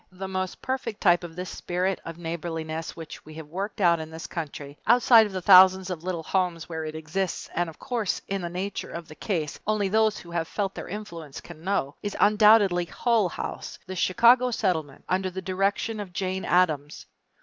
The most perfect type of this spirit of neighborliness which we have worked out in this country, outside of the thousands of little homes where it exists and of which, in the nature of the case, only those who have felt their influence can know, is undoubtedly Hull House, the Chicago Settlement under the direction of Jane Addams.